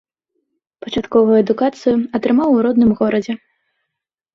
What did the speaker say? Пачатковую адукацыю атрымаў у родным горадзе.